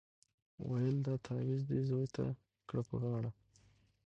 ویل دا تعویذ دي زوی ته کړه په غاړه